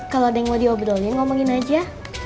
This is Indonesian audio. kalau ada yang mau diobrolnya ngomongin aja